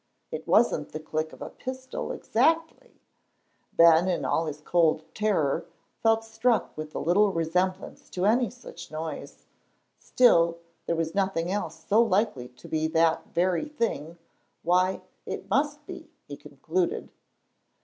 It wasn't the click of a pistol exactly, Ben, in all his cold terror felt struck with the little resemblance to any such noise, still, as there was nothing else so likely to be that very thing, why, it must be, he concluded.